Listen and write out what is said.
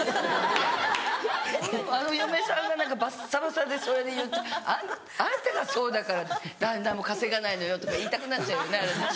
あの嫁さんがバッサバサでそれで言うとあなたがそうだから旦那も稼がないのよとか言いたくなっちゃうよねあれ。